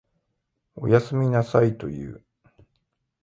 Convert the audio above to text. おやすみなさいと言う。